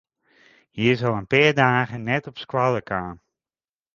Hy is al in pear dagen net op skoalle kaam.